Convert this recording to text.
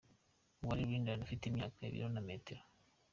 Umwali Lindah afite imyaka , ibiro na metero .